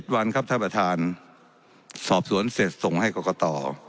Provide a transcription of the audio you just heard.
วันครับท่านประธานสอบสวนเสร็จส่งให้กรกต